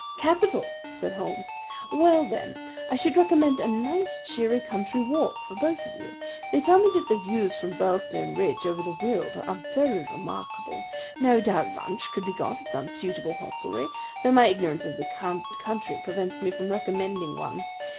"Capital!" said Holmes. "Well, then, I should recommend a nice, cheery country walk for both of you. They tell me that the views from Birlstone Ridge over the Weald are very remarkable. No doubt lunch could be got at some suitable hostelry; though my ignorance of the country prevents me from recommending one.